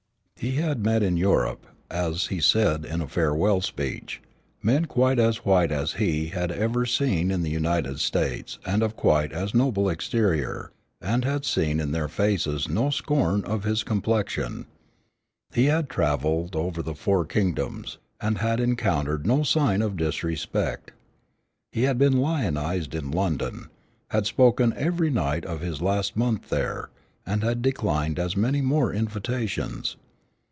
He had met in Europe, as he said in a farewell speech, men quite as white as he had ever seen in the United States and of quite as noble exterior, and had seen in their faces no scorn of his complexion. He had travelled over the four kingdoms, and had encountered no sign of disrespect. He had been lionized in London, had spoken every night of his last month there, and had declined as many more invitations.